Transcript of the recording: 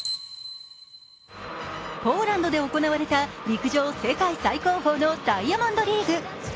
ポーランドで行われた陸上世界最高峰のダイヤモンドリーグ。